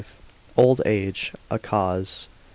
—Old age a cause.